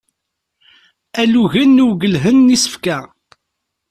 Alugen n uwgelhen n isefka.